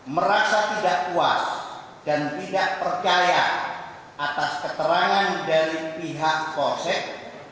merasa tidak puas dan tidak percaya atas keterangan dari pihak puspom tni angkatan laut